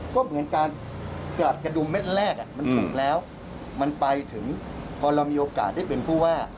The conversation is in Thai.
ก็เหมือนการกอดกระดุมเม็ดแรกมันถูกแล้วมันไปถึงพอเรามีโอกาสได้เป็นผู้ว่า